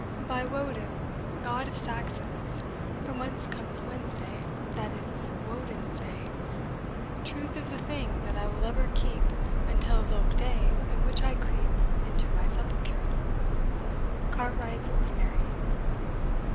By Woden, God of Saxons, From whence comes Wensday, that is, Wodnesday, Truth is a thing that I will ever keep Unto thylke day in which I creep into My sepulcre Cartwright's Ordinary.